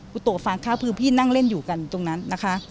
ุโตะฟางข้าวคือพี่นั่งเล่นอยู่กันตรงนั้นนะคะ